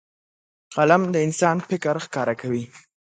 قلم د انسان فکر ښکاره کوي